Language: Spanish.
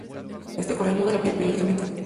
Este coral muda la piel periódicamente.